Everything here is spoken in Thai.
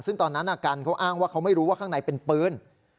ซึ่งตอนนั้นกันเขาอ้างว่าเขาไม่รู้ว่าข้างในเป็นปืน